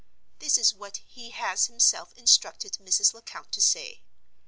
This is what he has himself instructed Mrs. Lecount to say.